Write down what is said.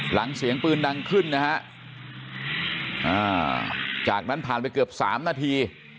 หลังเสียงปืนดังขึ้นนะฮะจากนั้นผ่านไปเกือบ๓นาที